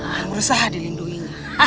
dan berusaha dilindunginya